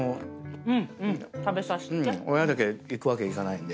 親だけいくわけいかないんで。